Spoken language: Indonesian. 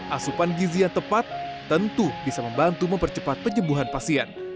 asupan gizi yang tepat tentu bisa membantu mempercepat penyembuhan pasien